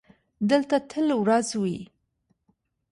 دلته تل ورځ وي.